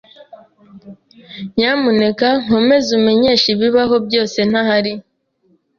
Nyamuneka nkomeze umenyeshe ibibaho byose ntahari.